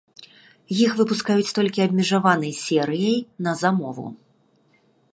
Іх выпускаюць толькі абмежаванай серыяй, на замову.